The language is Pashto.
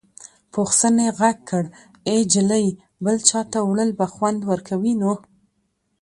پوخ سنې غږ کړ ای جلۍ بل چاته وړل به خوند ورکوي نو.